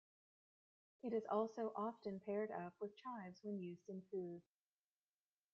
It is also often paired up with chives when used in food.